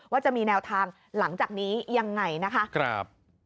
ว่าจะมีแนวทางหลังจากนี้ยังไงนะคะ